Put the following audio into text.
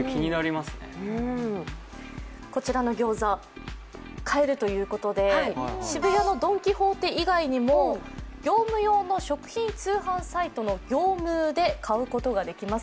こちらの餃子、買えるということで渋谷のドン・キホーテ以外にも業務用の食品通販サイトのギョームーで買うことができます。